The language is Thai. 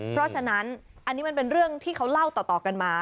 เพราะฉะนั้นอันนี้มันเป็นเรื่องที่เขาเล่าต่อกันมา